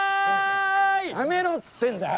やめろっつってんだよ！